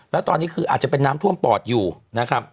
แล้วตอนนี้คืออาจจะเป็นน้ำท่วมปอดอยู่นะครับ